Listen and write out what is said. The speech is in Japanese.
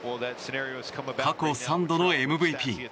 過去３度のＭＶＰ。